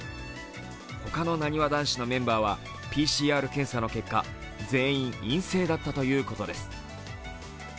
他のなにわ男子のメンバーはＰＣＲ検査の結果全員陰性だったということです。